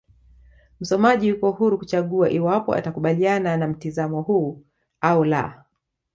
Msomaji yuko huru kuchagua iwapo atakubaliana na mtizamo huu au la